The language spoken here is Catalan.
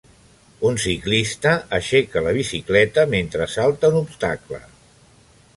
Un ciclista aixeca la bicicleta mentre salta un obstacle.